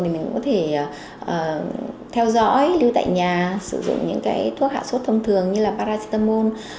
thì mình cũng có thể theo dõi lưu tại nhà sử dụng những thuốc hạ sốt thông thường như paracetamol